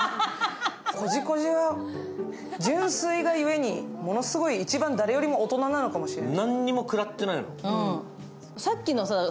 コジコジは純粋がゆえに、ものすごい一番誰よりも大人なのかもしれない。